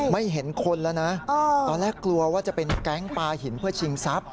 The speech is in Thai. ไม่เห็นคนแล้วนะตอนแรกกลัวว่าจะเป็นแก๊งปลาหินเพื่อชิงทรัพย